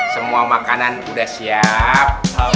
semua makanan udah siap